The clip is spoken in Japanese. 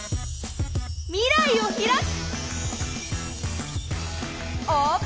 未来をひらく！